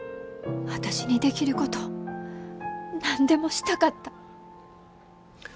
私にできること何でもしたかった。